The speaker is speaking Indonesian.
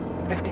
itu dia itu dia